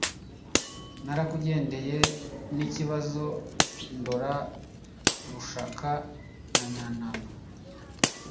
Narakugendeye nikibazo Ndora Rushoka na Nyantanga